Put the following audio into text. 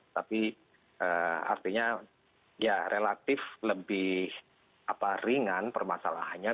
tapi artinya ya relatif lebih ringan permasalahannya